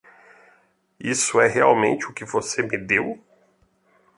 Isso é realmente o que você me deu?